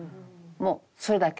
もうそれだけ。